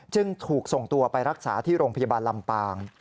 จึงถูกส่งตัวไปรักษาที่โรงพยาบาลลำปาง